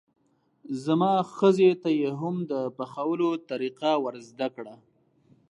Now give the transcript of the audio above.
زما ښځې ته یې هم د پخولو طریقه ور زده کړئ.